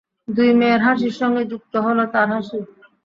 দুই মেয়ের হাসির সঙ্গে যুক্ত হল তাঁর হাসি।